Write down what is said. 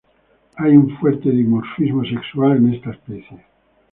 Hay un fuerte dimorfismo sexual en esta especie.